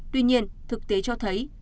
tuy nhiên thực tế cho thấy